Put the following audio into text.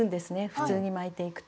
普通に巻いていくと。